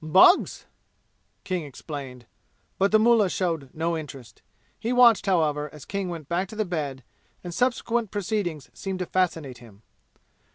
"Bugs!" King explained, but the mullah showed no interest. He watched, however, as King went back to the bed, and subsequent proceedings seemed to fascinate him.